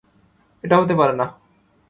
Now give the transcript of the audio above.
এটা হতে পারে না।